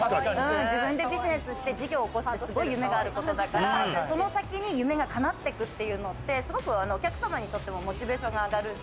自分でビジネスして事業を起こす、すごい夢があることだから、その先に夢が叶ってくっていうのって、すごくお客様にとってもモチベーションが上がる。